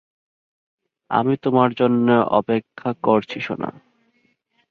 আমরা তোমার জন্য অপেক্ষা করছি সোনা।